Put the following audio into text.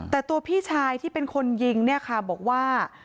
แต่ตัวพี่ชายที่เป็นคนยิงบอกว่า